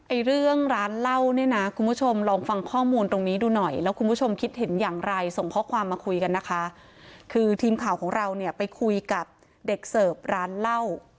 เรื่องร้านเหล้าเนี่ยนะคุณผู้ชมลองฟังข้อมูลตรงนี้ดูหน่อยแล้วคุณผู้ชมคิดเห็นอย่างไรส่งข้อความมาคุยกันนะคะคือทีมข่าวของเราเนี่ยไปคุยกับเด็กเสิร์ฟร้านเหล้า